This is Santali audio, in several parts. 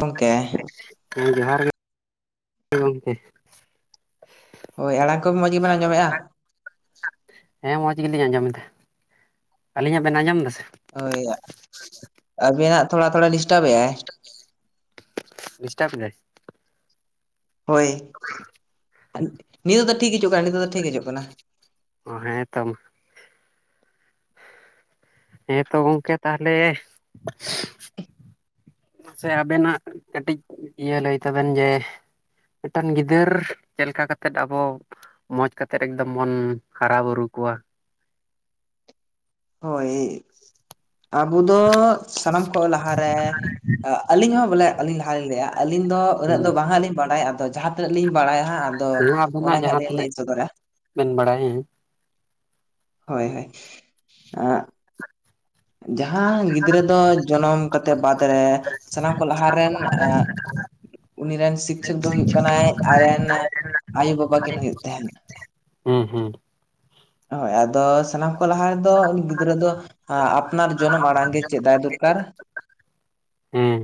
ᱜᱚᱝᱠᱮ ᱡᱚᱦᱟᱨ ᱜᱮ ᱜᱚᱝᱠᱮ᱾ ᱦᱳᱭ ᱟᱲᱟᱝ ᱠᱚ ᱢᱚᱡᱽ ᱜᱮᱵᱮᱹᱱ ᱟᱸᱡᱽᱢᱮᱜ-ᱟ᱾ ᱦᱮᱸ ᱢᱚᱡᱽ ᱜᱮᱞᱤᱧ ᱟᱸᱡᱚᱢᱫᱟ᱾ ᱟᱹᱞᱤᱧᱟᱜ ᱵᱮᱱ ᱟᱸᱡᱚᱢ ᱫᱟᱥᱮ? ᱦᱳᱭ ᱟᱹᱵᱤᱱᱟᱜ ᱛᱷᱚᱲᱟ-ᱛᱷᱚᱲᱟ ᱰᱤᱥᱴᱟᱵ ᱮᱫᱟᱭ ᱱᱤᱥᱴᱟᱯ ᱮᱫᱟᱭ᱾ ᱦᱳᱭ ᱱᱤᱛᱚᱜ ᱫᱚ ᱴᱷᱤᱠ ᱦᱤᱡᱩᱜ ᱠᱟᱱᱟ᱾ ᱱᱤᱛᱚᱜ ᱫᱚ ᱴᱷᱤᱠ ᱦᱤᱡᱩᱜ ᱠᱟᱱᱟ᱾ ᱚ ᱦᱮᱸ ᱛᱚ ᱢᱟ ᱦᱮᱸ ᱛᱚ ᱜᱚᱝᱠᱮ ᱛᱟᱦᱚᱞᱮ ᱢᱟᱥᱮ ᱟᱵᱮᱱᱟᱜ ᱠᱟᱹᱴᱤᱡ ᱤᱭᱟᱹ ᱞᱟᱹᱭ ᱛᱟᱵᱮᱱ ᱡᱮ ᱢᱤᱫᱴᱟᱱ ᱜᱤᱫᱟᱹᱨ ᱪᱮᱫ ᱞᱮᱠᱟ ᱠᱟᱛᱮᱫ ᱟᱵᱚ ᱢᱚᱸᱡᱽ ᱠᱟᱛᱮᱜ ᱮᱠᱫᱚᱢ ᱵᱚᱱ ᱦᱟᱨᱟ ᱵᱩᱨᱩ ᱠᱚᱣᱟ᱾ ᱦᱳᱭ ᱟᱵᱚ ᱫᱚ ᱥᱟᱱᱟᱢ ᱠᱷᱚᱱ ᱞᱟᱦᱟᱨᱮ ᱟᱹᱞᱤᱧ ᱦᱚᱸ ᱵᱚᱞᱮ ᱟᱹᱞᱤᱧ ᱞᱟᱦᱟ ᱞᱤᱧ ᱞᱟᱹᱭᱟ ᱟᱹᱞᱤᱧ ᱫᱚ ᱩᱱᱟᱹᱜ ᱫᱚ ᱵᱟᱝ ᱞᱤᱧ ᱵᱟᱰᱟᱭᱟ ᱟᱫᱚ ᱡᱟᱦᱟᱸ ᱛᱤᱱᱟᱹᱜ ᱞᱤᱧ ᱵᱟᱲᱟᱭᱟ ᱦᱟᱸᱜ ᱟᱫᱚ ᱟᱵᱚᱱᱟᱜ ᱚᱱᱟᱜᱮ ᱦᱟᱸᱜ ᱡᱟᱦᱟᱸ ᱞᱤᱧ ᱞᱟᱹᱭ ᱛᱤᱱᱟᱹᱜ ᱥᱚᱫᱚᱨᱟ ᱵᱮᱱ ᱵᱟᱲᱟᱭ? ᱦᱳᱭ ᱦᱳᱭ [unintelligible] ᱡᱟᱦᱟᱸ ᱜᱤᱫᱽᱨᱟᱹ ᱫᱚ ᱡᱚᱱᱚᱢ ᱠᱟᱛᱮᱫ ᱵᱟᱫ ᱨᱮ ᱥᱟᱱᱟᱢ ᱠᱚ ᱞᱟᱦᱟᱨᱮᱱ ᱟᱜ ᱩᱱᱤ ᱨᱮᱱ ᱥᱤᱠᱪᱷᱚᱠ ᱫᱚᱭ ᱦᱩᱭᱩᱜ ᱠᱟᱱᱟᱭ ᱟᱡᱨᱮᱱ ᱟᱭᱳ- ᱵᱟᱵᱟ ᱠᱤᱱ ᱦᱩᱭᱩᱜ ᱛᱟᱦᱮᱸᱱ᱾ ᱦᱩᱸ ᱦᱩᱸ ᱦᱳᱭ ᱟᱫᱚ ᱥᱟᱱᱟᱢ ᱠᱚ ᱞᱟᱦᱟ ᱨᱮᱫᱚ ᱜᱤᱫᱽᱨᱟᱹ ᱫᱚ ᱟᱜ ᱟᱯ ᱡᱚᱱᱚᱢ ᱟᱲᱟᱝ ᱜᱮ ᱪᱮᱫᱟᱜ ᱫᱚᱨᱠᱟᱨ ᱦᱮᱸ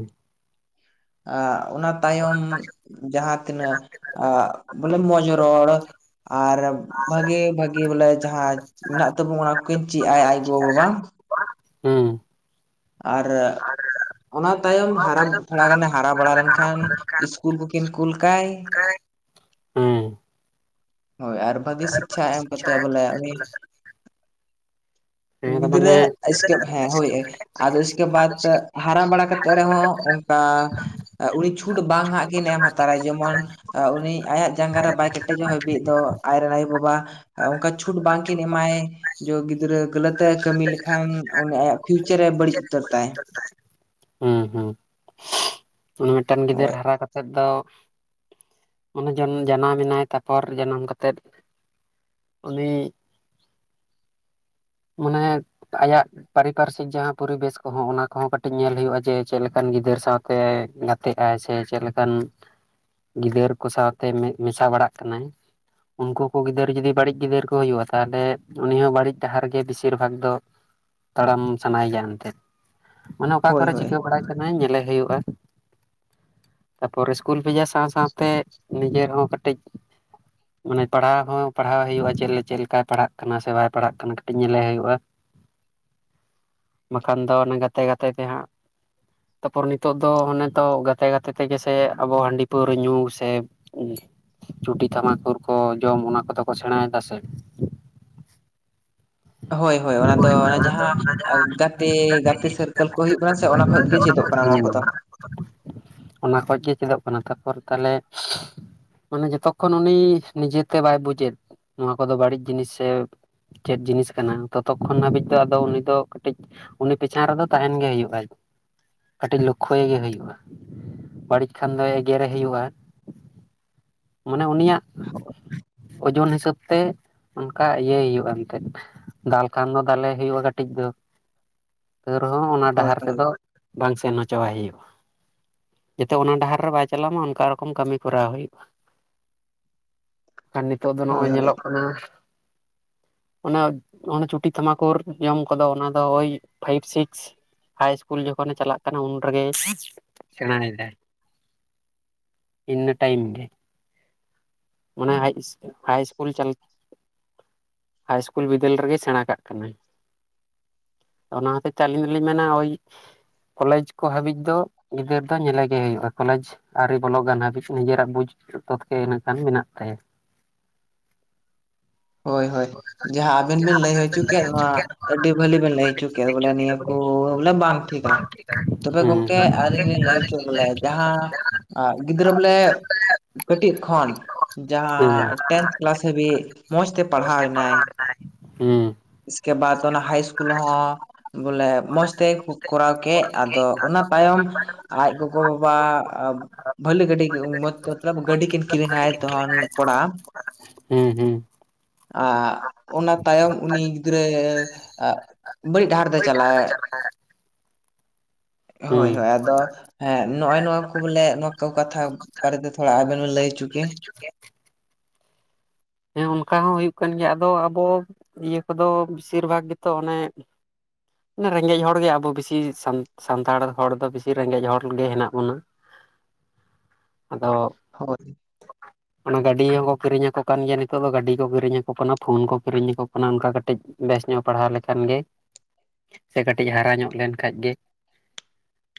ᱟ ᱚᱱᱟ ᱛᱟᱭᱚᱢ ᱡᱟᱦᱟᱸ ᱛᱤᱱᱟᱹᱜ ᱵᱚᱞᱮ ᱢᱚᱡᱽ ᱨᱚᱲ ᱟᱨ ᱵᱷᱟᱜᱮ- ᱵᱷᱟᱜ ᱜᱮ ᱵᱚᱞᱮ ᱡᱟᱦᱟᱸ ᱢᱮᱱᱟᱜ ᱛᱟᱵᱚ ᱚᱱᱟ ᱠᱤᱱ ᱪᱮᱫ ᱟᱭ ᱟᱡ ᱜᱚ-ᱵᱟᱵᱟ ᱦᱩᱸ ᱟᱨ ᱚᱱᱟ ᱛᱟᱭᱚᱢ ᱦᱟᱨᱟ ᱛᱷᱚᱲᱟ ᱜᱟᱱᱮ ᱦᱟᱨᱟ ᱵᱟᱲᱟ ᱞᱮᱱᱠᱷᱟᱱ ᱤᱥᱠᱩᱞ ᱠᱚᱠᱤᱱ ᱠᱩᱞ ᱠᱟᱭ᱾ ᱦᱮᱸ ᱦᱳᱭ ᱟᱨ ᱵᱷᱟᱹᱜᱤ ᱥᱤᱠᱪᱷᱟ ᱮᱢ ᱠᱟᱛᱮ ᱵᱚᱞᱮ ᱩᱱᱤ ᱦᱮᱸ ᱫᱚ ᱢᱟᱱᱮ ᱜᱤᱫᱽᱨᱟᱹ ᱥᱠᱮᱯ ᱦᱮ ᱦᱚᱭ ᱟᱫᱚ ᱥᱠᱮᱯ ᱵᱟᱫ ᱛᱮ ᱦᱟᱨᱟ ᱵᱟᱲᱟ ᱠᱟᱛᱮᱫ ᱨᱮᱦᱚᱸ ᱚᱱᱠᱟ ᱩᱱᱤ ᱪᱷᱩᱴ ᱵᱟᱝ ᱦᱟᱸᱜ ᱠᱤᱱ ᱮᱢ ᱦᱟᱛᱟᱲᱟᱭ ᱡᱮᱢᱚᱱ ᱩᱱᱤ ᱟᱭᱟᱜ ᱡᱟᱸᱜᱟ ᱨᱮ ᱵᱟᱭ ᱠᱮᱴᱮᱡᱚᱜ ᱢᱤᱫ ᱫᱚ ᱟᱡᱨᱮᱱ ᱟᱭᱳ ᱵᱟᱵᱟ ᱚᱱᱠᱟ ᱪᱷᱩᱴ ᱵᱟᱝᱠᱤᱱ ᱮᱢᱟᱭ ᱡᱚ ᱜᱤᱫᱽᱨᱟᱹ ᱜᱟᱹᱞᱚᱛ ᱮ ᱠᱟᱹᱢᱤ ᱞᱮᱠᱷᱟᱱ ᱩᱱᱤ ᱟᱭᱟᱜ ᱯᱷᱤᱭᱩᱪᱟᱨ ᱮ ᱵᱟᱹᱲᱤᱡ ᱩᱛᱟᱹᱨ ᱛᱟᱭ ᱦᱮᱸ ᱦᱩᱸ ᱩᱱᱤ ᱢᱤᱫᱴᱮᱱ ᱜᱤᱫᱟᱹᱨ ᱦᱳᱭ ᱦᱟᱨᱟ ᱠᱟᱛᱮᱫ ᱫᱚ ᱚᱱᱮ ᱡᱚᱱ ᱡᱟᱱᱟᱢ ᱮᱱᱟᱭ ᱛᱟᱯᱚᱨ ᱡᱟᱱᱟᱢ ᱠᱟ ᱠᱟᱛᱮᱫ ᱩᱱᱤ ᱢᱟᱱᱮ ᱟᱭᱟᱜ ᱯᱟᱨᱤ ᱯᱟᱨᱥᱤᱠ ᱡᱟᱦᱟᱸ ᱯᱚᱨᱤᱵᱮᱥ ᱠᱚᱦᱚᱸ ᱚᱱᱟ ᱠᱚᱦᱚᱸ ᱠᱟᱹᱴᱤᱡ ᱧᱮᱞ ᱦᱩᱭᱩᱜ-ᱟ ᱡᱮ ᱪᱮᱫ ᱞᱮᱠᱟᱱ ᱜᱤᱫᱟᱹᱨ ᱥᱟᱶᱛᱮ ᱜᱟᱛ ᱜᱟᱛᱮᱜ ᱟᱭ ᱥᱮ ᱪᱮᱫ ᱞᱮᱠᱟᱱ ᱜᱤᱫᱟᱹᱨ ᱠᱚ ᱥᱟᱶᱛᱮ ᱢᱮᱥᱟ ᱵᱟᱲᱟᱜ ᱠᱟᱱᱟᱭ ᱩᱱᱠᱩ ᱠᱚ ᱜᱤᱫᱟᱹᱨ ᱡᱩᱫᱤ ᱵᱟᱹᱲᱤᱡ ᱜᱤᱫᱟᱹᱨ ᱠᱚ ᱦᱩᱭᱩᱜ-ᱟ ᱛᱟᱦᱚᱞᱮ ᱩᱱᱤ ᱦᱚᱸ ᱵᱟᱹᱲᱤᱡ ᱰᱟᱦᱟᱨ ᱡᱮ ᱵᱮᱥᱤᱨ ᱵᱷᱟᱜᱽ ᱫᱚ ᱛᱟᱲᱟᱢ ᱥᱟᱱᱟᱭᱮᱭᱟ ᱮᱱᱛᱮᱫ ᱚᱱᱮ ᱚᱠᱟ ᱦᱳᱭ ᱠᱚᱨᱮ ᱦᱳᱭ ᱪᱤᱠᱟᱹ ᱵᱟᱲᱟᱭ ᱠᱟᱱᱟ ᱧᱮᱞᱮ ᱦᱩᱭᱩᱜ-ᱟ ᱛᱟᱯᱚᱨᱮ ᱤᱥᱠᱩᱞ ᱵᱷᱮᱡᱟ ᱥᱟᱶ ᱥᱟᱶᱛᱮ ᱱᱤᱡᱮ ᱨᱮᱦᱚᱸ ᱠᱟᱹᱴᱤᱡ ᱢᱟᱱᱮ ᱯᱟᱲᱦᱟᱣ ᱦᱚᱸ ᱯᱟᱲᱦᱟᱣ ᱦᱩᱭᱩᱜ-ᱟ ᱡᱮ ᱪᱮᱫ ᱞᱮᱠᱟᱭ ᱯᱟᱲᱦᱟᱜ ᱠᱟᱱᱟ ᱥᱮ ᱵᱟᱭ ᱯᱟᱲᱦᱟᱜ ᱠᱟᱱᱟ ᱠᱟᱹᱴᱤᱡ ᱧᱮᱞᱮ ᱦᱩᱭᱩᱜ-ᱟ ᱵᱟᱠᱷᱟᱱ ᱫᱚ ᱚᱱᱟ ᱜᱟᱛᱮ ᱜᱟᱛᱮ ᱦᱟᱸᱜ ᱛᱟᱯᱚᱨ ᱱᱤᱛᱚᱜ ᱫᱚ ᱚᱱᱮ ᱛᱚ ᱜᱟᱛᱮ ᱜᱟᱛᱮ ᱛᱮᱜᱮᱥᱮ ᱟᱵᱚ ᱦᱟᱺᱰᱤ ᱯᱟᱹᱣᱨᱟᱹ ᱧᱩ ᱥᱮ ᱪᱩᱴᱤ ᱛᱷᱟᱢᱟᱠᱩᱨ ᱠᱚ ᱡᱚᱢ ᱚᱱᱟ ᱠᱚᱫᱚ ᱠᱚ ᱥᱮᱬᱟᱭᱮᱫᱟ ᱥᱮ ᱦᱳᱭ ᱦᱳᱭ ᱚᱱᱟ ᱫᱚ ᱚᱱᱟ ᱡᱟᱦᱟᱸ ᱜᱟᱛᱮ ᱜᱟᱛᱮ ᱥᱟᱨᱠᱮᱞ ᱠᱚ ᱦᱩᱭᱩᱜ ᱠᱟᱱᱟ ᱥᱮ ᱚᱱᱟ ᱠᱷᱚᱱᱚᱡ ᱜᱮ ᱪᱮᱫᱚᱜ ᱠᱟᱱᱟ ᱚᱱᱟ ᱦᱩᱸ ᱠᱚᱫᱚ ᱚᱱᱟ ᱠᱚ ᱜᱮ ᱪᱮᱫᱚᱜ ᱠᱟᱱᱟ ᱛᱟᱨᱯᱚᱨ ᱛᱟᱦᱞᱮ ᱢᱟᱱᱮ ᱡᱚᱛᱚᱠᱷᱚᱱ ᱩᱱᱤ ᱱᱤᱡᱮᱛᱮ ᱵᱟᱭ ᱵᱩᱡᱮᱫ ᱱᱚᱣᱟ ᱠᱚᱫᱚ ᱵᱟᱹᱲᱤᱡ ᱡᱤᱱᱤᱥ ᱥᱮ ᱪᱮᱫ ᱡᱤᱱᱤᱥ ᱠᱟᱱᱟ ᱛᱚᱛᱚᱠᱷᱚᱱ ᱦᱟᱹᱵᱤᱡ ᱫᱚ ᱟᱫᱚ ᱩᱱᱤ ᱫᱚ ᱠᱟᱹᱴᱤᱡ ᱩᱱᱤ ᱯᱤᱪᱷᱟᱱ ᱨᱮᱫᱚ ᱛᱟᱦᱮᱱ ᱜᱮ ᱦᱩᱭᱩᱜ-ᱟ ᱠᱟᱹᱴᱤᱡ ᱞᱚᱠᱠᱷᱚᱭ ᱜᱮ ᱦᱩᱭᱩᱜ-ᱟ ᱵᱟᱹᱲᱤᱡ ᱠᱷᱟᱱ ᱫᱚ ᱮᱜᱮᱨᱮ ᱦᱩᱭᱩᱜ-ᱟ ᱾ ᱢᱟᱱᱮ ᱩᱱᱤᱭᱟᱜ [inaudible] ᱳᱡᱳᱚᱱ ᱦᱤᱥᱟᱹᱵ ᱛᱮ ᱚᱱᱠᱟ ᱤᱭᱟᱹᱭ ᱦᱩᱭᱩᱜ-ᱟ᱾ ᱛᱮᱫ ᱫᱟᱞ ᱠᱷᱟᱱ ᱫᱚ ᱫᱟᱞᱮ ᱦᱩᱭᱩᱜ-ᱟ ᱠᱟᱹᱴᱤᱡ ᱫᱚ ᱮ ᱨᱮᱦᱚᱸ ᱚᱱᱟ ᱦᱳᱭ ᱰᱟᱦᱟᱨ ᱦᱳᱭ ᱛᱮᱫᱚ ᱵᱟᱝ ᱥᱮᱱ ᱦᱚᱪᱚ ᱟᱭ ᱦᱩᱭᱩᱜ-ᱟ ᱾ ᱡᱟᱛᱮ ᱚᱱᱟ ᱰᱟᱦᱟᱨ ᱨᱮ ᱵᱟᱭ ᱪᱟᱞᱟᱜ ᱢᱟ ᱚᱱᱠᱟ ᱨᱚᱠᱚᱢ ᱠᱟᱹᱢᱤ ᱠᱚᱨᱟᱣ ᱦᱩᱭᱩᱜ-ᱟ ᱾ ᱠᱷᱟᱱ ᱱᱤᱛᱳᱴᱟᱜ ᱫᱚ ᱱᱚᱜ-ᱚᱭ ᱦᱳᱭ ᱦᱳᱭ ᱧᱮᱞᱚᱜ ᱠᱟᱱᱟ ᱚᱱᱟ ᱚᱱᱟ ᱪᱩᱴᱤ ᱛᱷᱟᱢᱟᱠᱩᱨ ᱡᱚᱢ ᱠᱚᱫᱚ ᱚᱱᱟ ᱫᱚ ᱳᱭ ᱯᱷᱟᱭᱤᱵ ᱥᱤᱠᱥ ᱾ ᱦᱟᱭ ᱤᱥᱠᱩᱞ ᱡᱚᱠᱷᱚᱱᱮ ᱪᱟᱞᱟᱜ ᱠᱟᱱᱟ ᱩᱱ ᱨᱮᱜᱮᱭ ᱥᱮᱬᱟᱭᱮᱫᱟᱭ ᱤᱱᱟᱹ ᱴᱟᱭᱤᱢ ᱜᱮ ᱢᱟᱱᱮ ᱦᱟᱭ ᱤᱥᱠᱩᱞ ᱦᱟᱭ ᱤᱥᱠᱩᱞ ᱪᱟᱞ ᱦᱟᱭ ᱤᱥᱠᱩᱞ ᱵᱤᱫᱟᱹᱞ ᱨᱮᱜᱮᱭ ᱥᱮᱬᱟ ᱠᱟᱜ ᱠᱟᱱᱟᱭ ᱚᱱᱟ ᱦᱚᱛᱮ ᱛᱮ ᱟᱹᱞᱤᱧ ᱫᱚᱞᱤᱧ ᱢᱮᱱᱟ ᱳᱭ ᱠᱚᱞᱡᱽ ᱠᱚ ᱦᱟᱹᱵᱤᱡ ᱫᱚ ᱜᱤᱫᱟᱹᱨ ᱫᱚ ᱧᱮᱞᱮᱜ ᱜᱮ ᱦᱩᱭᱩᱜ-ᱟ ᱠᱚᱞᱮᱡᱽ ᱟᱹᱨᱤ ᱵᱚᱞᱚ ᱜᱟᱱ ᱦᱟᱹᱵᱤᱡ ᱾ ᱱᱤᱡᱮᱨᱟᱜ ᱵᱩᱡ ᱛᱚᱛ ᱜᱮ ᱤᱱᱟᱹᱠᱷᱟᱱ ᱢᱮᱱᱟᱜ ᱛᱟᱭᱟ ᱾ ᱦᱳᱭ ᱦᱳᱭ ᱡᱟᱦᱟᱸ ᱟᱵᱮᱱ ᱵᱤᱱ ᱞᱟᱹᱭ ᱦᱚᱪᱚ ᱠᱮᱫ ᱱᱚᱣᱟ ᱟᱹᱰᱤ ᱵᱷᱟᱹᱞᱤ ᱵᱮᱱ ᱞᱟᱹᱭ ᱦᱚᱪᱚ ᱠᱮ ᱵᱚᱞᱮ ᱱᱤᱭᱟᱹ ᱠᱚ ᱵᱚᱞᱮ ᱵᱟᱝ ᱴᱷᱤᱠᱟ ᱛᱚᱵᱮ ᱦᱩᱸ ᱦᱩᱸ ᱜᱚᱝᱠᱮ ᱟᱹᱞᱤᱧ ᱞᱤᱧ ᱞᱟᱹᱭ ᱦᱩᱸ ᱦᱚᱪᱚ ᱞᱮᱫᱟ ᱡᱟᱦᱟᱸ ᱜᱤᱫᱽᱨᱟᱹ ᱵᱚᱞᱮ ᱠᱟᱹᱴᱤᱡ ᱠᱷᱚᱱ ᱡᱟᱦᱟᱸ ᱴᱮᱱᱛᱷ ᱠᱞᱟᱥ ᱦᱟᱹᱵᱤᱡ ᱢᱚᱸᱡᱽ ᱛᱮ ᱯᱟᱲᱦᱟᱣᱮᱱᱟᱭ ᱤᱥᱠᱮ ᱵᱟᱛ ᱚᱱᱟ ᱦᱟᱭ ᱤᱥᱠᱩᱞ ᱦᱚᱸ ᱵᱚᱞᱮ ᱢᱚᱸᱡᱽ ᱛᱮ ᱠᱚᱨᱟᱣ ᱠᱮᱜ ᱟᱫᱚ ᱚᱱᱟ ᱛᱟᱭᱚᱢ ᱟᱡ ᱜᱚᱜᱚ ᱵᱟᱵᱟ ᱵᱷᱟᱹᱞᱤ ᱜᱟᱹᱰᱤ [unintelligible] [unintelligible] ᱜᱟᱹᱰᱤ ᱠᱤᱱ ᱠᱤᱨᱤᱝᱟᱭ ᱛᱚ ᱠᱚᱲᱟ ᱦᱩᱸ ᱦᱩᱸ ᱟᱜ ᱚᱱᱟ ᱛᱟᱭᱚᱢ ᱩᱱᱤ ᱜᱤᱫᱽᱨᱟᱹ ᱟᱜ ᱵᱟᱹᱲᱤᱡ ᱰᱟᱦᱟᱨ ᱛᱮᱭ ᱪᱟᱞᱟᱣᱮ ᱼᱼ ᱦᱩᱸ ᱦᱳᱭ ᱦᱳᱭ ᱟᱫᱚ ᱼᱼ ᱦᱮᱸ ᱱᱚᱜᱼᱚᱭ ᱱᱚᱣᱟ ᱠᱚ ᱵᱚᱞᱮ ᱱᱚᱣᱟ ᱠᱚ ᱠᱟᱛᱷᱟ ᱵᱟᱨᱮᱛᱮ ᱛᱷᱚᱲᱟ ᱟᱵᱮᱱ ᱵᱮᱱ ᱞᱟᱹᱭ ᱦᱚᱪᱚ ᱠᱮ ᱾ [unintelligible] ᱦᱮᱸ ᱚᱱᱠᱟ ᱦᱚᱸ ᱦᱩᱭᱩᱜ ᱠᱟᱱ ᱜᱮᱭᱟ ᱟᱫᱚ ᱟᱵᱚ ᱤᱭᱟᱹ ᱠᱚᱫᱚ ᱵᱮᱥᱤᱨ ᱵᱷᱟᱜᱽ ᱜᱮᱛᱚ ᱚᱱᱮ ᱼᱼ ᱨᱮᱸᱜᱮᱡ ᱦᱚᱲ ᱜᱮ ᱟᱵᱚ ᱵᱮᱥᱤ ᱥᱟᱱ ᱥᱟᱱᱛᱟᱲ ᱦᱚᱲ ᱫᱚ ᱵᱮᱥᱤ ᱨᱮᱸᱜᱮᱡ ᱦᱚᱲ ᱜᱮ ᱦᱮᱱᱟᱜ ᱵᱚᱱᱟ ᱾ [inaudible] ᱟᱫᱚ ᱼᱼ ᱦᱳᱭ ᱼᱼ ᱚᱱᱟ ᱜᱟᱹᱰᱤ ᱦᱚᱸᱠᱚ ᱠᱤᱨᱤᱧ ᱟᱠᱚ ᱠᱟᱱ ᱜᱮᱭᱟ ᱱᱤᱛᱚᱜ ᱫᱚ ᱜᱟᱹᱰᱤ ᱠᱚ ᱠᱤᱨᱤᱧ ᱟᱠᱚ ᱠᱟᱱᱟ ᱯᱷᱳᱱ ᱠᱚ ᱠᱤᱨᱤᱧ ᱟᱠᱚ ᱠᱟᱱᱟ ᱚᱱᱠᱟ ᱠᱟᱹᱴᱤᱡ ᱵᱮᱥ ᱧᱚᱜ ᱯᱟᱲᱦᱟᱣ ᱞᱮᱠᱷᱟᱱ ᱜᱮ ᱾ [inaudible] ᱥᱮ ᱠᱟᱹᱴᱤᱡ ᱦᱟᱨᱟ ᱧᱚᱜ ᱞᱮᱱ ᱠᱷᱟᱡ ᱜᱮ ᱾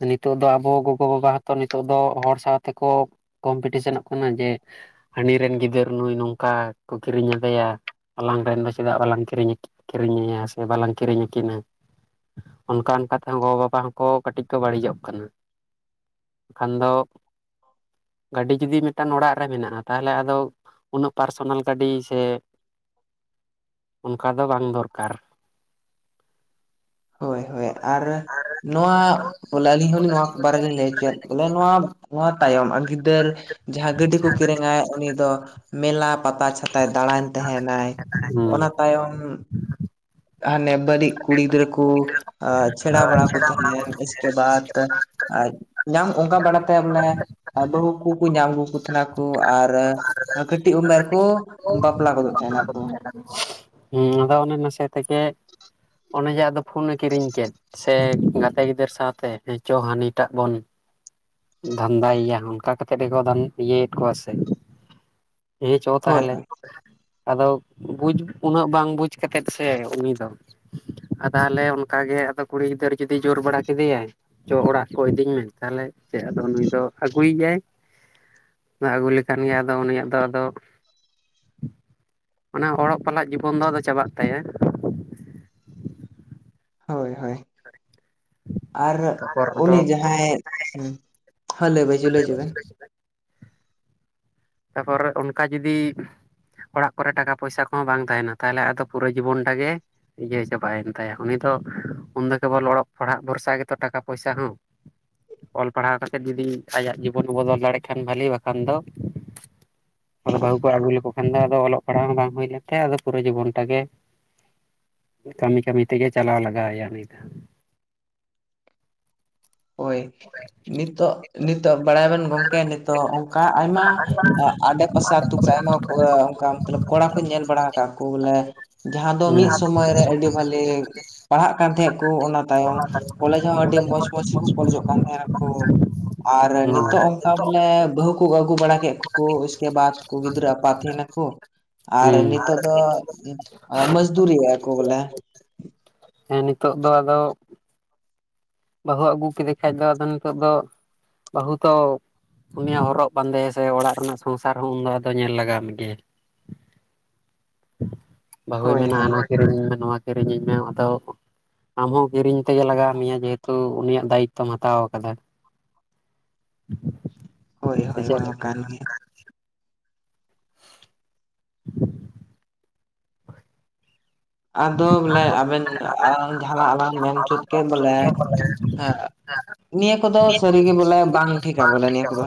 ᱱᱤᱛᱚᱜ ᱫᱚ ᱟᱵᱚ ᱜᱚᱜᱚ ᱵᱟᱵᱟ ᱦᱚᱛᱚ ᱱᱤᱛᱚᱜ ᱫᱚ ᱦᱚᱲ ᱥᱟᱶᱛᱮᱠᱚ ᱼᱼ ᱠᱚᱢᱯᱤᱴᱤᱥᱚᱱᱚᱜ ᱠᱟᱱᱟ ᱡᱮ ᱦᱟᱹᱱᱤ ᱨᱮᱱ ᱜᱤᱫᱟᱹᱨ ᱱᱩᱭ ᱱᱚᱝ ᱼᱼ ᱚᱱᱠᱟ ᱠᱚ ᱠᱤᱨᱤᱧ ᱟᱫᱮᱭᱟ ᱟᱞᱟᱝ ᱨᱮᱱ ᱫᱚ ᱪᱮᱫᱟᱜ ᱵᱟᱞᱟᱝ ᱠᱤᱨᱤᱧ ᱠᱤᱨᱤᱧ ᱟᱭᱟ, ᱥᱮ ᱵᱟᱞᱟᱝ ᱠᱤᱨᱤᱧ ᱟᱹᱠᱤᱱᱟ? ᱚᱱᱠᱟ ᱚᱱᱠᱟ ᱛᱮᱦᱚᱸ ᱜᱚᱼᱵᱟᱵᱟ ᱦᱚᱸᱠᱚ ᱠᱟᱹᱴᱤᱡ ᱠᱚ ᱵᱟᱹᱲᱤᱡᱚᱜ ᱠᱟᱱᱟ ᱾ ᱠᱷᱟᱱ ᱫᱚ ᱜᱟᱹᱰᱤ ᱡᱩᱫᱤ ᱢᱤᱫᱴᱟᱝ ᱚᱲᱟᱜ ᱨᱮ ᱢᱮᱱᱟᱜᱼᱟ, ᱛᱟᱦᱚᱞᱮ ᱟᱫᱚ ᱼᱼ ᱯᱟᱨᱥᱚᱱᱟᱞ ᱜᱟᱹᱰᱤ ᱥᱮ ᱚᱱᱠᱟ ᱫᱚ ᱵᱟᱝ ᱫᱚᱨᱠᱟᱨ ᱾ ᱦᱳᱭ ᱦᱳᱭ ᱟᱨ ᱱᱚᱣᱟ ᱵᱚᱞᱮ ᱟᱹᱞᱤᱧ ᱦᱚᱸᱞᱤᱧ ᱱᱚᱣᱟ ᱵᱟᱨᱮ ᱞᱤᱧ ᱞᱟᱹᱭ ᱦᱚᱪᱚᱭᱮᱫ ᱼᱼ ᱵᱚᱞᱮ ᱱᱚᱣᱟ ᱱᱚᱣᱟ ᱛᱟᱭᱚᱢ ᱜᱤᱫᱟᱹᱨ ᱡᱟᱦᱟᱸ ᱜᱟᱹᱰᱤ ᱠᱚ ᱠᱤᱨᱤᱧᱟᱭ ᱩᱱᱤ ᱫᱚ ᱼᱼ ᱢᱮᱞᱟ ᱯᱟᱛᱟ ᱪᱷᱟᱛᱭ ᱫᱟᱬᱟᱱ ᱛᱟᱦᱮᱱᱟᱭ ᱦᱩᱸ ᱚᱱᱟ ᱛᱟᱭᱚᱢ ᱼᱼ ᱦᱟᱱᱮ ᱵᱟᱹᱲᱤᱡ ᱠᱩᱲᱤ ᱜᱤᱫᱽᱨᱟᱹ ᱠᱩ ᱪᱷᱮᱲᱟ ᱵᱟᱲᱟ ᱠᱚ ᱛᱟᱦᱮ ᱞᱮ ᱩᱥᱠᱮ ᱵᱟᱫ ᱟᱨ ᱧᱟᱢ ᱚᱱᱠᱟ ᱵᱟᱲᱟᱛᱮ ᱵᱚᱞᱮ ᱟᱫᱚ ᱠᱩᱠᱩ ᱧᱟᱢ ᱜᱩᱠᱚ ᱛᱟᱦᱮᱱᱟᱠᱩ ᱟᱨ ᱠᱟᱹᱴᱤᱡ ᱩᱢᱮᱨ ᱠᱚ ᱵᱟᱯᱞᱟ ᱜᱚᱫᱚᱜ ᱛᱟᱦᱮᱸ ᱱᱟᱠᱚ᱾ ᱦᱩᱸ ᱟᱫᱚ ᱚᱱᱮ ᱱᱟᱥᱮ ᱛᱮᱜᱮ ᱚᱱᱮ ᱡᱮ ᱟᱫᱚ ᱯᱷᱩᱱᱱᱮ ᱠᱤᱨᱤᱧ ᱠᱮᱫ᱾ ᱥᱮ ᱜᱟᱛᱮ ᱜᱤᱫᱟᱹᱨ ᱥᱟᱶᱛᱮ ᱦᱮ ᱪᱚ ᱦᱟᱹᱱᱤᱴᱟᱜ ᱵᱚᱱ ᱫᱷᱟᱱᱫᱟᱭ ᱭᱟ ᱚᱱᱠᱟ ᱠᱟᱛᱮᱫ ᱜᱮᱠᱚ ᱤᱭᱟᱹᱭᱮᱫ ᱠᱚᱣᱟ ᱥᱮ? ᱦᱮᱸ ᱪᱚ ᱦᱳᱭ ᱛᱟᱦᱚᱞᱮ ᱦᱳᱭ ᱟᱫᱚ ᱵᱩᱡᱽ ᱩᱱᱟᱹᱜ ᱵᱟᱝ ᱵᱩᱡᱽ ᱠᱟᱛᱮᱫ ᱥᱮ ᱩᱱᱤ ᱫᱚ᱾ ᱟ ᱛᱟᱞᱮ ᱚᱱᱠᱟᱜᱮ ᱟᱫᱚ ᱠᱩᱲᱤ ᱜᱤᱫᱟᱹᱨ ᱡᱩᱫᱤ ᱡᱳᱨ ᱵᱟᱲᱟ ᱠᱮᱫᱮᱭᱟᱭ᱾ ᱪᱚ ᱚᱲᱟᱜ ᱠᱚ ᱤᱫᱤᱧ ᱢᱮ ᱛᱟᱦᱚᱞᱮ ᱪᱮᱫ ᱟᱫᱚ ᱱᱩᱭ ᱫᱚ ᱟᱹᱜᱩᱭᱮᱭᱟᱭ ᱾ ᱟᱹᱜᱩ ᱞᱮᱠᱷᱟᱱ ᱜᱮ ᱟᱫᱚ ᱩᱱᱤᱭᱟᱜ ᱫᱚ ᱟᱫᱚ ᱼᱼ ᱚᱱᱟ ᱚᱲᱚᱜ ᱯᱟᱲᱦᱟᱜ ᱡᱤᱵᱚᱱ ᱫᱚ ᱟᱫᱚ ᱪᱟᱵᱟᱜ ᱛᱟᱭᱟ ᱾ ᱦᱳᱭ ᱦᱳᱭ ᱟᱨ ᱛᱟᱯᱚᱨ ᱟᱫᱚ ᱩᱱᱤ ᱡᱟᱦᱟᱸᱭ ᱦᱩᱸ ᱦᱮᱸ ᱞᱟᱹᱭ ᱵᱟᱹᱭᱡᱩᱜ ᱞᱟᱹᱭ ᱵᱮᱱ ᱛᱟᱨᱯᱚᱨᱮ ᱚᱱᱠᱟ ᱡᱩᱫᱤ ᱚᱲᱟᱜ ᱠᱚᱨᱮ ᱴᱟᱠᱟ ᱯᱚᱭᱥᱟ ᱠᱚᱦᱚᱸ ᱵᱟᱝ ᱛᱟᱦᱮᱱᱟ ᱛᱟᱦᱚᱞᱮ ᱟᱫᱚ ᱯᱩᱨᱟᱹ ᱡᱤᱵᱚᱱ ᱴᱟ ᱜᱮ ᱤᱭᱟᱹ ᱪᱟᱵᱟᱭᱮᱱ ᱛᱟᱭᱟ, ᱩᱱᱤ ᱫᱚ ᱩᱱᱫᱚ ᱠᱮᱵᱚᱞ ᱚᱞᱚᱜ ᱯᱟᱲᱦᱟᱜ ᱵᱷᱚᱨᱥᱟ ᱜᱮᱛᱚ ᱴᱟᱠᱟ ᱯᱚᱭᱥᱟ ᱦᱚᱸ, [inaudible] ᱚᱞ ᱯᱟᱲᱦᱟᱣ ᱠᱟᱛᱮᱫ ᱡᱩᱫᱤ ᱟᱭᱟᱜ ᱡᱤᱵᱚᱱᱮ ᱵᱚᱫᱚᱞ ᱫᱟᱲᱮᱭᱟᱜ ᱠᱷᱟᱱ ᱵᱷᱟᱹᱞᱤ, ᱵᱟᱠᱷᱟᱱ ᱫᱚ [inaudible] ᱟᱫᱚ ᱵᱟᱹᱦᱩ ᱠᱚ ᱟᱹᱜᱩ ᱞᱮᱠᱚ ᱠᱷᱟᱱ ᱫᱚ ᱟᱫᱚ ᱚᱞᱚᱜ ᱯᱟᱲᱦᱟᱜ ᱦᱚᱸ ᱵᱟᱝ ᱦᱩᱭ ᱞᱮᱱ ᱛᱟᱭᱟ, ᱟᱫᱚ ᱯᱩᱨᱟᱹ ᱡᱤᱵᱚᱱ ᱴᱟᱜ ᱜᱮ ᱠᱟᱹᱢᱤ ᱠᱟᱹᱢᱤ ᱛᱮᱜᱮ ᱪᱟᱞᱟᱣ ᱞᱟᱜᱟᱣ ᱟᱭᱟ ᱩᱱᱤ ᱫᱚ, ᱦᱳᱭ ᱱᱤᱛᱚᱜ ᱱᱤᱛᱚᱜ ᱵᱟᱲᱟᱭ ᱵᱮᱱ ᱜᱚᱝᱠᱮ ᱱᱤᱛᱚᱜ ᱚᱱᱠᱟ ᱟᱭᱢᱟ ᱱᱚᱣᱟ ᱟᱰᱮ ᱯᱟᱥᱮ ᱟᱹᱛᱩ ᱠᱚᱨᱮ ᱟᱭᱢᱟ ᱠᱚ ᱚᱱᱠᱟ ᱢᱚᱛᱞᱚᱵ ᱠᱚᱲᱟ ᱠᱚᱧ ᱧᱮᱞ ᱵᱟᱲᱟ ᱠᱟᱜ ᱠᱚ ᱵᱚᱞᱮ ᱡᱟᱦᱟᱸ ᱫᱚ ᱦᱩᱸ ᱢᱤᱫ ᱥᱚᱢᱚᱭᱨᱮ ᱟᱹᱰᱤ ᱵᱷᱟᱹᱞᱤ ᱯᱟᱲᱦᱟᱜ ᱠᱟᱱ ᱛᱟᱦᱮᱸᱫ ᱠᱚ ᱚᱱᱟ ᱛᱟᱭᱚᱢ ᱠᱚᱞᱮᱡᱽ ᱦᱚᱸ ᱟᱹᱰᱤ ᱢᱚᱸᱡᱽ ᱢᱚᱸᱡᱽ ᱜᱮᱠᱚ ᱠᱚᱞᱮᱡᱚᱜ ᱠᱟᱱ ᱛᱟᱦᱮᱸᱱᱟᱠᱚ ᱟᱨ ᱦᱩᱸ ᱱᱤᱛᱚᱜ ᱚᱱᱠᱟ ᱵᱚᱞᱮ ᱵᱟᱹᱦᱩ ᱠᱚ ᱟᱹᱜᱩ ᱵᱟᱲᱟ ᱠᱮᱫ ᱠᱚᱠᱚ ᱩᱥᱠᱮ ᱵᱟᱫᱽ ᱠᱩ ᱜᱤᱫᱽᱨᱟᱹ ᱟᱯᱟᱛ ᱛᱟᱦᱮᱱᱟ ᱠᱚ ᱟᱨ ᱦᱩᱸ ᱱᱤᱛᱚᱜ ᱫᱚ ᱢᱟᱡᱫᱩᱨᱤ ᱟᱠᱚ ᱵᱚᱞᱮ᱾ ᱦᱮᱸ ᱱᱤᱛᱚᱜ ᱫᱚ ᱟᱫᱚ ᱵᱟᱹᱦᱩ ᱟᱹᱜᱩ ᱠᱮᱫᱮ ᱠᱷᱟᱡ ᱫᱚ ᱟᱫᱚ ᱱᱤᱛᱚᱜ ᱫᱚ ᱵᱟᱹᱦᱩ ᱛᱚ ᱩᱱᱤᱭᱟᱜ ᱦᱚᱨᱚᱜ ᱵᱟᱸᱫᱮ ᱥᱮ ᱚᱲᱟᱜ ᱨᱮᱱᱟᱜ ᱥᱚᱝᱥᱟᱨ ᱦᱚᱸ ᱩᱱᱫᱚ ᱟᱫᱚ ᱧᱮᱞ ᱞᱟᱜᱟᱣ ᱢᱮᱜᱮᱭᱟ᱾ [inaudible] ᱵᱟᱹᱦᱩᱭ ᱦᱳᱭ ᱢᱮᱱᱟ ᱦᱳᱭ ᱟᱱᱟ ᱠᱤᱨᱤᱧ ᱤᱧ ᱢᱮ ᱱᱚᱣᱟ ᱠᱤᱨᱤᱧ ᱤᱧ ᱢᱮ ᱦᱟᱛᱟᱣ ᱟᱢᱦᱚᱸ ᱠᱤᱨᱤᱧ ᱛᱮᱜᱮ ᱞᱟᱜᱟᱣ ᱢᱮᱭᱟ᱾ ᱡᱮᱦᱮᱛᱩ ᱩᱱᱤᱭᱟᱜ ᱫᱟᱭᱤᱛᱛᱚᱢ ᱦᱟᱛᱟᱣ ᱠᱟᱫᱟ᱾ ᱦᱳᱭ ᱦᱳ ᱱᱚᱣᱟ ᱠᱟᱱ ᱜᱮ᱾ ᱟᱫᱚ ᱵᱚᱞᱮ ᱟᱵᱮᱱ ᱡᱟᱦᱟᱱᱟᱜ ᱟᱞᱟᱝ ᱢᱮᱱ [unintelligible] ᱠᱮᱫ ᱵᱚᱞᱮ ᱦᱮᱸ ᱱᱤᱭᱟᱹ ᱠᱚᱫᱚ ᱥᱟᱹᱨᱤᱜᱮ ᱵᱚᱞᱮ ᱵᱟᱝ ᱴᱷᱤᱠᱟ ᱵᱚᱞᱮ ᱱᱤᱭᱟᱹ ᱠᱚᱫᱚ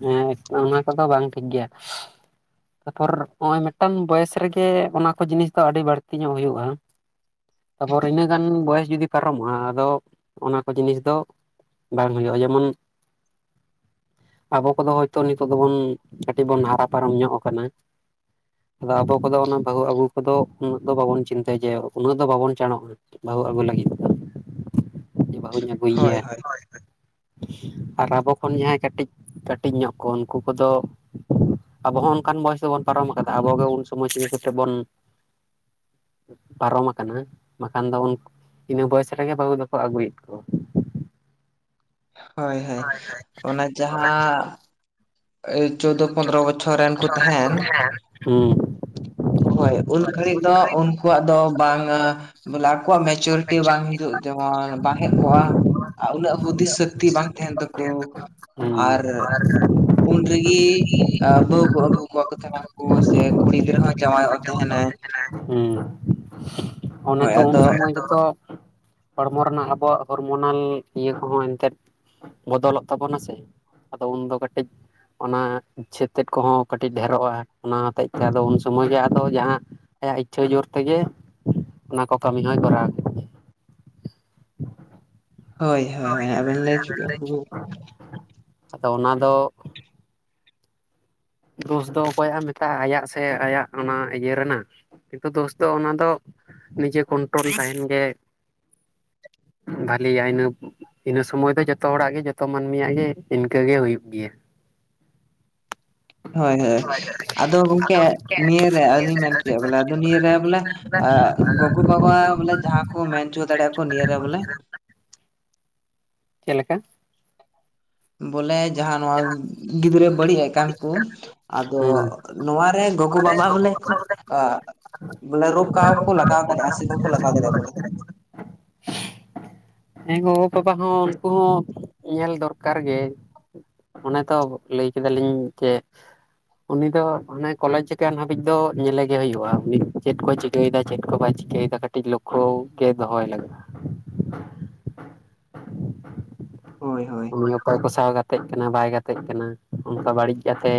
ᱦᱮᱸ ᱚᱱᱟ ᱠᱚᱫᱚ ᱵᱟᱝ ᱴᱷᱤᱠ ᱜᱮᱭᱟ᱾ ᱛᱟᱨᱯᱚᱨ ᱱᱚᱜ-ᱚᱭ ᱢᱤᱫᱴᱟᱱ ᱵᱚᱭᱮᱥ ᱨᱮᱜᱮ ᱚᱱᱟ ᱠᱚ ᱡᱤᱱᱤᱥ ᱫᱚ ᱟᱹᱰᱤ ᱵᱟᱹᱲᱛᱤ ᱧᱚᱜ ᱦᱩᱭᱩᱜ-ᱟ᱾ ᱛᱟᱯᱚᱨ ᱤᱱᱟᱹ ᱜᱟᱱ ᱵᱚᱭᱮᱥ ᱡᱩᱫᱤ ᱯᱟᱨᱚᱢᱚᱜ-ᱟ, ᱟᱫᱚ ᱚᱱᱟ ᱠᱚ ᱡᱤᱱᱤᱥ ᱫᱚ ᱵᱟᱝ ᱦᱩᱭᱩᱜ-ᱟ ᱡᱮᱢᱚᱱ᱾ ᱟᱵᱚ ᱠᱚᱫᱚ ᱦᱚᱭᱛᱚ ᱱᱤᱛᱚᱜ ᱫᱚᱵᱚᱱ ᱠᱟᱹᱴᱤᱡ ᱵᱚᱱ ᱦᱟᱨᱟ ᱯᱟᱨᱚᱢ ᱧᱚᱜ ᱟᱠᱟᱱᱟ᱾ ᱟᱫᱚ ᱟᱵᱚ ᱠᱚᱫᱚ ᱚᱱᱟ ᱵᱟᱹᱦᱩ ᱟᱹᱜᱩ ᱠᱚᱫᱚ ᱩᱱᱟᱹᱜ ᱩᱱᱟᱹᱜ ᱫᱚ ᱵᱟᱵᱚᱱ ᱪᱤᱱᱛᱟᱹᱭ ᱡᱮ ᱩᱱᱟᱹᱜ ᱫᱚ ᱵᱟᱵᱚᱱ ᱪᱟᱬᱚᱜ-ᱟ᱾ ᱵᱟᱹᱦᱩ ᱟᱹᱜᱩ ᱞᱟᱹᱜᱤᱫ ᱡᱮ ᱵᱟᱹᱦᱩᱧ ᱟᱹᱜᱩᱭᱮᱭᱟ ᱦᱳᱭ᱾ ᱟᱨ ᱟᱵᱚ ᱠᱷᱚᱱ ᱡᱟᱦᱟᱸᱭ ᱠᱟᱹᱴᱤᱡ ᱠᱟᱹᱴᱤᱡ ᱧᱚᱜ ᱠᱚ ᱩᱱᱠᱩ ᱠᱚᱫᱚ ᱟᱵᱚ ᱦᱚᱸ ᱚᱱᱠᱟᱱ ᱵᱚᱭᱮᱥ ᱫᱚᱵᱚᱱ ᱯᱟᱨᱚᱢ ᱠᱟᱫᱟ᱾ ᱟᱵᱚ ᱜᱮ ᱩᱱ ᱥᱚᱢᱚᱭ ᱪᱤᱠᱟᱹ ᱠᱟᱛᱮᱫ ᱵᱚᱱ ᱯᱟᱨᱚᱢ ᱠᱟᱱᱟ ᱵᱟᱠᱷᱟᱱ ᱫᱚ ᱩᱱᱠᱩ ᱤᱱᱟᱹ ᱵᱚᱭᱮᱥ ᱨᱮᱜᱮ ᱵᱟᱹᱦᱩ ᱫᱚᱠᱚ ᱟᱹᱜᱩᱭᱮᱫ ᱠᱚᱣᱟ᱾ ᱦᱳᱭ ᱦᱳᱭ ᱚᱱᱟ ᱡᱟᱦᱟᱸᱻ ᱪᱳᱣᱫᱫᱚ ᱯᱚᱱᱨᱚ ᱵᱚᱪᱷᱚᱨ ᱨᱮᱱ ᱠᱚ ᱛᱟᱦᱮᱱ। ᱦᱮᱸ᱾ ᱦᱳᱭ ᱩᱱ ᱜᱷᱟᱹᱲᱤᱡ ᱫᱚ ᱩᱱᱠᱩᱣᱟᱜ ᱫᱚ ᱵᱟᱝᱼᱟ ᱵᱚᱞᱮ ᱟᱠᱚᱣᱟᱜ ᱢᱮᱪᱩᱨᱤᱴᱤ ᱵᱟᱝ ᱦᱤᱡᱩᱜ ᱡᱮᱢᱚᱱ ᱵᱟᱝ ᱦᱮᱡ ᱠᱚᱜᱼᱟ। ᱟᱨ ᱩᱱᱟᱹᱜ ᱦᱩᱫᱤᱥ ᱥᱟᱹᱠᱛᱤ ᱵᱟᱝ ᱛᱟᱦᱮᱱ ᱛᱟᱠᱚ। ᱦᱮᱸ ᱟᱨ [inaudible] ᱩᱱᱨᱮᱜᱤ ᱵᱟᱹᱦᱩ ᱠᱚ ᱟᱹᱜᱩ ᱠᱚᱣᱟ ᱠᱚ ᱛᱟᱦᱮᱱᱟ ᱠᱚ ᱥᱮ ᱠᱩᱲᱤ ᱜᱤᱫᱽᱨᱟᱹ ᱦᱚᱸ ᱡᱟᱶᱟᱭᱚᱜ ᱛᱟᱦᱮᱱᱟᱭ [inaudible] ᱦᱩᱸ ᱚᱱᱮ ᱦᱳᱭ ᱛᱚ ᱩᱱ ᱟᱫᱚ ᱥᱚᱢᱚᱭ ᱜᱮᱛᱚ ᱦᱚᱲᱢᱚ ᱨᱮᱱᱟᱜ ᱟᱵᱚᱣᱟᱜ ᱦᱚᱨᱢᱚᱱᱟᱞ ᱤᱭᱟᱹ ᱠᱚᱦᱚᱸ ᱮᱱᱛᱮᱫ ᱵᱚᱫᱚᱞᱚᱜ ᱛᱟᱵᱚᱱᱟ ᱥᱮ ᱟᱫᱚ ᱩᱱᱫᱚ ᱠᱟᱹᱴᱤᱡ ᱚᱱᱟ ᱪᱷᱮᱛᱮᱫ ᱠᱚᱦᱚᱸ ᱠᱟᱹᱴᱤᱡ ᱰᱷᱮᱨᱚᱜᱼᱟ ᱚᱱᱟ ᱦᱚᱛᱮᱡ ᱛᱮ ᱟᱫᱚ ᱩᱱ ᱥᱚᱢᱚᱭ ᱜᱮ ᱟᱫᱚ ᱡᱟᱦᱟᱸ ᱟᱭᱟᱜ ᱤᱪᱪᱷᱟᱹ ᱡᱳᱨ ᱛᱮᱜᱮ ᱚᱱᱟ ᱠᱚ ᱠᱟᱹᱢᱤ ᱦᱚᱸᱭ ᱠᱚᱨᱟᱣ ᱠᱮᱭᱟ ᱾ ᱦᱳᱭ ᱦᱳᱭ ᱦᱳᱭ ᱟᱵᱮᱱ ᱞᱟᱹᱭ [unintelligible] ᱦᱩ [inaudible] ᱟᱫᱚ ᱚᱱᱟ ᱫᱚ ᱫᱳᱥ ᱫᱚ ᱚᱠᱚᱭᱟᱜ ᱮᱢ ᱢᱮᱛᱟᱜᱼᱟ ᱟᱭᱟᱜ ᱥᱮ ᱟᱭᱟᱜ ᱚᱱᱟ ᱤᱭᱟᱹ ᱨᱮᱱᱟᱜ᱾ ᱠᱤᱱᱛᱩ ᱫᱳᱥ ᱫᱚ ᱚᱱᱟ ᱫᱚ ᱱᱤᱡᱮ ᱠᱚᱱᱴᱨᱳᱞ ᱛᱟᱦᱮᱱ ᱜᱮ ᱵᱷᱟᱞᱤᱭᱟ ᱤᱱᱟᱹ ᱤᱱᱟᱹ ᱥᱚᱢᱚᱭ ᱫᱚ ᱡᱚᱛᱚ ᱦᱚᱲᱟᱜ ᱜᱮ ᱡᱚᱛᱚ ᱢᱟᱹᱱᱢᱤᱭᱟᱜ ᱜᱮ ᱤᱱᱠᱟᱹ ᱜᱮ ᱦᱩᱭᱩᱜ ᱜᱮᱭᱟ। ᱦᱳᱭ ᱦᱳᱭ ᱟᱫᱚ ᱜᱚᱝᱠᱮ ᱱᱤᱭᱟᱹᱨᱮ ᱟᱹᱞᱤᱧ ᱢᱮᱱ ᱠᱮᱜᱼᱟ ᱵᱚᱞᱮ ᱟᱫᱚ ᱱᱤᱭᱟᱹᱨᱮ ᱵᱚᱞᱮ ᱟᱜ ᱜᱚᱜᱚ ᱵᱟᱵᱟ ᱵᱚᱞᱮ ᱡᱟᱦᱟᱸ ᱠᱚ ᱢᱮᱱ ᱪᱚ ᱫᱟᱲᱮᱭᱟᱜ ᱠᱚ ᱱᱤᱭᱟᱹᱨᱮ ᱵᱚᱞᱮ ᱪᱮᱫ ᱞᱮᱠᱟ? ᱵᱚᱞᱮ ᱡᱟᱦᱟᱸ ᱱᱚᱣᱟ ᱜᱤᱫᱽᱨᱟᱹ ᱵᱟᱹᱲᱤᱡ ᱮ ᱠᱟᱱ ᱠᱚ ᱟᱫᱚ ᱦᱩᱸ ᱱᱚᱣᱟᱨᱮ ᱜᱚᱜᱚ ᱵᱟᱵᱟ ᱵᱚᱞᱮ ᱠᱷᱩᱵ ᱟᱻ ᱵᱚᱞᱮ ᱨᱩᱠᱟᱣ ᱠᱚ ᱞᱟᱜᱟᱣ ᱫᱟᱲᱭᱟᱜᱼᱟ ᱥᱮ ᱵᱟᱝ ᱠᱚ ᱞᱟᱜᱟᱣ ᱫᱟᱲᱮᱭᱟᱜᱼᱟ ᱵᱚᱞᱮ? ᱦᱮᱸ ᱜᱚᱜᱚ ᱵᱟᱵᱟ ᱦᱚᱸ ᱩᱱᱠᱩ ᱦᱚᱸ ᱧᱮᱞ ᱫᱚᱨᱠᱟᱨ ᱜᱮ᱾ ᱚᱱᱮ ᱛᱚ ᱞᱟᱹᱭ ᱠᱮᱫᱟᱞᱤᱧ ᱡᱮ ᱼᱼ ᱩᱱᱤ ᱫᱚ ᱢᱟᱱᱮ ᱠᱚᱞᱮᱡᱽ ᱪᱤᱠᱟᱱ ᱦᱟᱹᱵᱤᱡ ᱫᱚ ᱧᱮᱞᱮ ᱜᱮ ᱦᱩᱭᱩᱜᱜᱼᱟ ᱩᱱᱤ ᱪᱮᱫ ᱠᱚ ᱪᱤᱠᱟᱹ ᱪᱤᱠᱟᱹᱭᱮᱫᱟ ᱪᱮᱫ ᱠᱚ ᱵᱟᱭ ᱪᱤᱠᱟᱹᱭᱮᱫᱟ ᱠᱟᱹᱴᱤᱡ ᱞᱚᱠᱠᱷᱚ ᱜᱮ ᱫᱚᱦᱚᱭ ᱞᱟᱜᱟ ᱼᱼ [inaudible] ᱦᱳᱭ ᱦᱳᱭ ᱩᱱᱤ ᱚᱠᱚᱭ ᱠᱚ ᱥᱟᱶᱟᱣ ᱜᱟᱛᱮᱜ ᱠᱟᱱᱟ ᱵᱟᱭ ᱜᱟᱛᱮᱜ ᱠᱟᱱᱟ ᱚᱱᱠᱟ ᱵᱟᱹᱲᱤᱡ ᱜᱟᱛᱮ᱾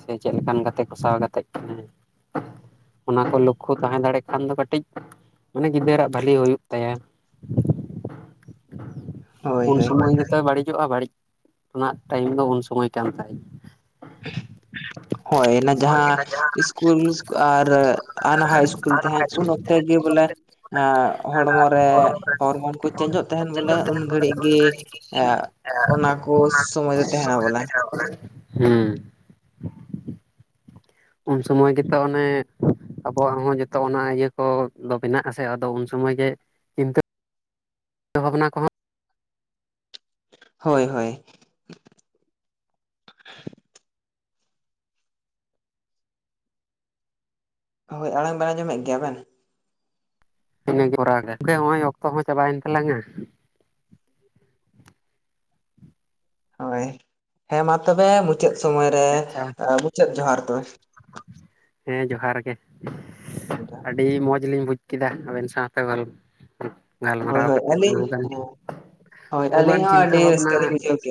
ᱥᱮ ᱪᱮᱫ ᱞᱮᱠᱟᱱ ᱜᱟᱛᱮ ᱠᱚᱥᱟᱣ ᱜᱟᱛᱮᱜ ᱠᱟᱱᱟᱭ [inaudible] ᱚᱱᱟ ᱠᱚ ᱞᱚᱠᱠᱷᱚ ᱛᱟᱦᱮᱸ ᱫᱟᱲᱮ ᱠᱷᱟᱱ ᱫᱚ ᱠᱟᱹᱴᱤᱡ ᱼᱼ ᱢᱟᱱᱮ ᱜᱤᱫᱽᱟᱹᱨᱟᱜ ᱵᱷᱟᱞᱤ ᱦᱩᱭᱩᱜ ᱛᱟᱭᱟ ᱦᱳᱭ ᱩᱱ ᱦᱳᱭ ᱥᱚᱢᱚᱭ ᱜᱮ ᱻᱻ ᱛᱚᱭ ᱵᱟᱹᱲᱤᱡᱚᱜᱼᱟ ᱵᱟᱹᱲᱤᱡ ᱨᱮᱱᱟᱜ ᱴᱟᱭᱤᱢ ᱫᱚ ᱩᱱ ᱥᱚᱢᱚᱭ ᱠᱟᱱ ᱛᱟᱭ ᱼᱼ [inaudible] ᱦᱳᱭ ᱚᱱᱟ ᱡᱟᱦᱟᱸ ᱤᱥᱠᱩᱞ ᱟᱨ ᱟᱱᱦᱟᱜ ᱤᱥᱠᱩᱞ ᱛᱟᱦᱮᱸᱫ ᱼᱼ ᱩᱱ ᱱᱚᱛᱮ ᱜᱮ ᱵᱚᱞᱮ ᱼᱼ ᱮᱸ ᱦᱚᱲᱢᱚ ᱨᱮ ᱦᱚᱲᱢᱚ ᱠᱚ ᱪᱮᱧᱡᱚᱜ ᱛᱟᱦᱮᱱ ᱵᱚᱞᱮ ᱩᱱ ᱜᱷᱟᱹᱲᱤᱡ ᱜᱮ ᱮ ᱼᱼ ᱚᱱᱟ ᱠᱚ ᱥᱚᱢᱚᱭ ᱫᱚ ᱛᱟᱦᱮᱱᱟ ᱵᱚᱞᱮ। ᱦᱩᱸ ᱩᱱᱥᱩᱢᱚᱭ ᱜᱮᱛᱚ ᱚᱱᱮ ᱟᱵᱚᱣᱟᱜ ᱦᱚᱸ ᱡᱚᱛᱚ ᱚᱱᱟ ᱤᱭᱟᱹ ᱠᱚᱫᱚ ᱵᱮᱱᱟᱜ ᱟᱥᱮ ᱟᱫᱚ ᱩᱱᱥᱚᱢᱚᱭ ᱜᱮ ᱼᱼ ᱪᱤᱱᱛᱟᱹ ᱷᱟᱵᱽᱱᱟ ᱠᱚᱦᱚᱸ ᱦᱳᱭ ᱦᱳᱭ ᱦᱳᱭ ᱟᱲᱟᱝ ᱵᱮᱱ ᱟᱸᱡᱚᱢᱮᱫ ᱜᱮᱭᱟ ᱵᱮᱱ? ᱤᱱᱟᱹᱜᱮ [unintelligible] ᱠᱚᱨᱟᱣ ᱜᱮ ᱱᱚᱜ ᱚᱚᱭ ᱚᱠᱛᱚ ᱦᱚᱸ ᱪᱟᱵᱟᱭᱮᱱ ᱛᱟᱞᱟᱝᱼᱟ᱾ [inaudible] ᱦᱳᱭ ᱦᱮᱸ ᱢᱟ ᱛᱚᱵᱮ ᱢᱩᱪᱟᱹᱫ ᱥᱚᱢᱚᱭ ᱨᱮ ᱢᱩᱪᱟᱹᱫ ᱡᱚᱦᱟᱨ [unintelligible] ᱦᱮᱸ ᱡᱚᱦᱟᱨ ᱜᱮ [unintelligible] ᱟᱹᱰᱤ ᱢᱚᱡᱽ ᱞᱤᱧ ᱵᱩᱡᱽ ᱠᱮᱫᱟ ᱟᱵᱮᱱ ᱥᱟᱶᱛᱮ ᱜᱚᱞ ᱦᱳᱭ ᱜᱟᱞᱢᱟᱨᱟᱣ ᱦᱳᱭ ᱠᱟᱛᱮᱫ ᱟᱹᱞᱤᱧ ᱵᱚᱦᱩ [unintelligible] ᱜᱟᱱ ᱦᱳᱭ ᱵᱚᱦᱩ ᱜᱟᱱ ᱟᱹᱞᱤᱧ ᱦᱚᱸ ᱪᱤᱱᱛᱟᱹ ᱟᱹᱰᱤ ᱵᱷᱟᱵᱱᱟ ᱨᱟᱹᱥᱠᱟᱹ ᱞᱤᱧ ᱵᱩᱡᱷᱟᱹᱣ ᱠᱮᱜᱼᱟ